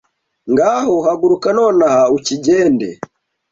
Ngaho haguruka nonaha ukigende